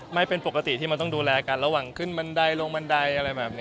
ไม่เป็นปกติที่มันต้องดูแลกันระหว่างขึ้นบันไดลงบันไดอะไรแบบนี้